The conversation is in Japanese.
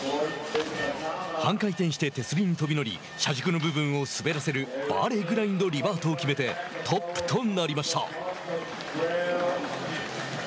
半回転して手すりに飛び乗り車軸の部分を滑らせるバーレーグラインドリバートを決めてトップとなりました。